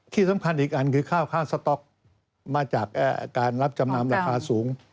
ที่สำคัญอีกอันคือข้าวค่าสต๊อกมาจากการรับจำนำราคาสูง